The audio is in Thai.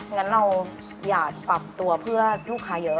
งั้นเราอย่าปรับตัวเพื่อลูกค้าเยอะ